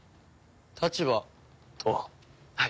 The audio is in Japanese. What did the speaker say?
立場とは？